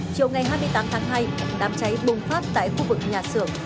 chiều ngày hai mươi tám tháng hai đám cháy bùng phát tại khu vực nhà xưởng